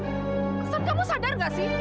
pesan kamu sadar gak sih